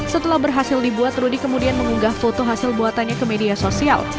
setelah berhasil dibuat rudy kemudian mengunggah foto hasil buatannya ke media sosial